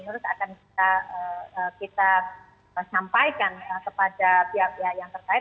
terus akan kita sampaikan kepada pihak pihak yang terkait